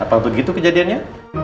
apa begitu kejadiannya